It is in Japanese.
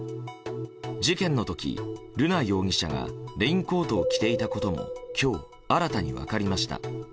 事件の時、瑠奈容疑者がレインコートを着ていたことが今日、新たに分かりました。